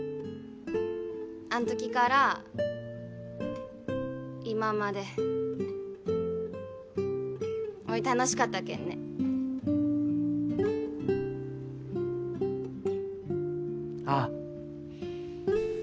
あん時から今までおい楽しかったけんねああ